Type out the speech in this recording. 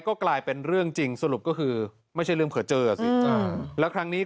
ก็กลายเป็นเรื่องจริงสรุปก็คือไม่ใช่เรื่องเผลอเจอสิแล้วครั้งนี้